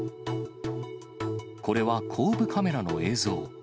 これは後部カメラの映像。